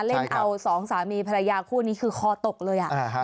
เล่นเอาสองสามีภรรยาคู่นี้คือคอตกเลย